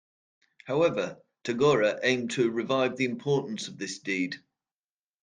However, Tagore aimed to revive the importance of this deed.